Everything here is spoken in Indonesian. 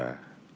jangan lupa ya